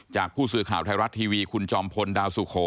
จากผู้สื่อข่าวไทยรัฐทีวีคุณจอมพลดาวสุโข